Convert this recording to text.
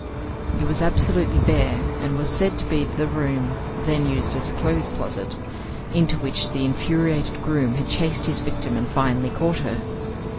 It was absolutely bare, and was said to be the room then used as a clothes closet into which the infuriated groom had chased his victim and finally caught her.